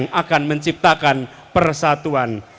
kasih sayang akan menciptakan persatuan